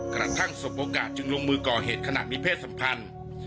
กระทั่งสมโอกาสจึงลงมือก่อเหตุขนาดมีเพศสัมพันธ์